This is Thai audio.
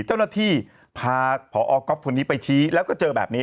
เจ้าหน้าที่พาพอก๊อฟคนนี้ไปชี้แล้วก็เจอแบบนี้